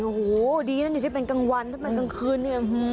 หูววววดีนะที่จะมีเป็นกลางวันโอ้หู